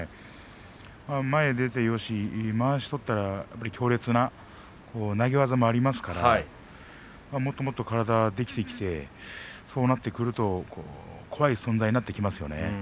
前に出てよしまわしを取ったら強烈な投げ技もありますからもっともっと体ができてきてそうなってくると怖い存在になってきますよね。